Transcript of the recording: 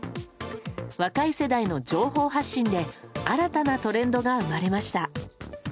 若い世代の情報発信で新たなトレンドが生まれました。